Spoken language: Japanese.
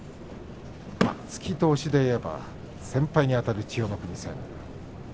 突きと押しでいえば先輩にあたる千代の国です。